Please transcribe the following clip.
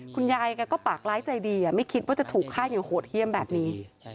คุณยายแกก็ปากร้ายใจดีไม่คิดว่าจะถูกฆ่าอย่างโหดเยี่ยมแบบนี้